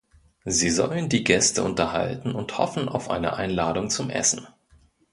Sie sollen die Gäste unterhalten und hoffen auf eine Einladung zum Essen.